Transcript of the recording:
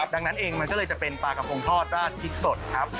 ดังนั้นเองมันก็เลยจะเป็นปลากระพงทอดราดพริกสดครับ